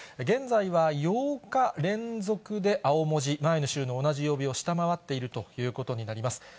現在は８日連続で青文字、前の週の同じ曜日を下回っているということになります。